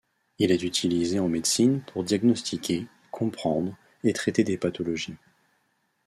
Il est utilisé en médecine pour diagnostiquer, comprendre et traiter des pathologies.